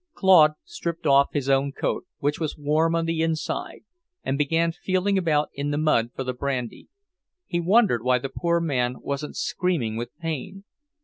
Claude stripped off his own coat, which was warm on the inside, and began feeling about in the mud for the brandy. He wondered why the poor man wasn't screaming with pain.